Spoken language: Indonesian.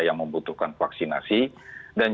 yang membutuhkan vaksinasi dan